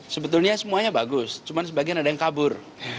sebetulnya semuanya bagus cuman sebagian ada yang kabur